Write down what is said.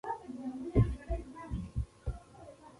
افغانستان تر هغو نه ابادیږي، ترڅو د مدني ټولنې رول ومنل نشي.